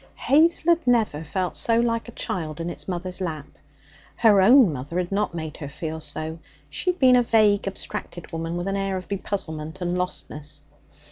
Hazel had never felt so like a child in its mother's lap. Her own mother had not made her feel so. She had been a vague, abstracted woman with an air of bepuzzlement and lostness.